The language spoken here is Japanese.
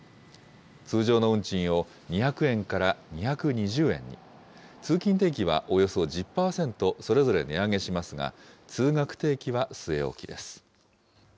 通常の運賃を２００円から２２０円に、通勤定期はおよそ１０％、それぞれ値上げしますが、通学定期は据え置きです。